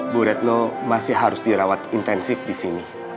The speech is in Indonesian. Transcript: bu retno masih harus dirawat intensif di sini